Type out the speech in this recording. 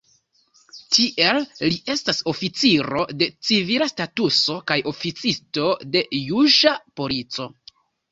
Tiel, li estas oficiro de civila statuso kaj oficisto de juĝa polico.